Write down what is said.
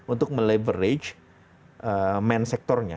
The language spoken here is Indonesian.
untuk meleverage main sektornya